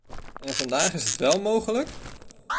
En vandaag is het wel mogelijk!